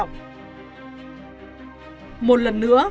một lần nữa làm cho vụ án này trở nên đặc biệt